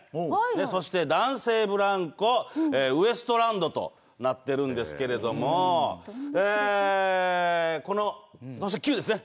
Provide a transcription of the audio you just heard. そして男性ブランコ、ウエストランドとなってるんですけれども、そして、キュウですね。